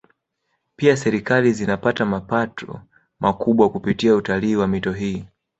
Pia Serikali zinapata mapato makubwa kupitia utalii wa mito hii